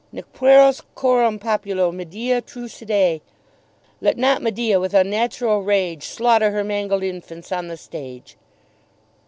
"Nec pueros coram populo Medea trucidet." "Let not Medea with unnatural rage Slaughter her mangled infants on the stage."